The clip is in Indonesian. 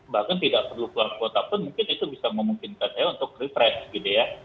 bahkan tidak perlu keluar kota pun mungkin itu bisa memungkinkan saya untuk refresh gitu ya